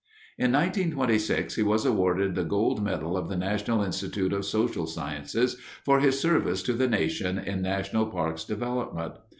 In 1926 he was awarded the gold medal of the National Institute of Social Sciences for his service to the nation in national parks development.